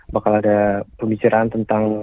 bakal ada pembicaraan tentang